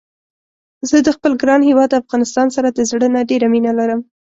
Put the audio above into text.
زه د خپل ګران هيواد افغانستان سره د زړه نه ډيره مينه لرم